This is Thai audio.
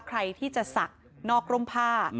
ใครที่จะศักดิ์นอกร่มผ้า